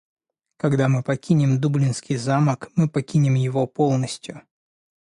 Когда мы покинем Дублинский замок, мы покинем его полностью.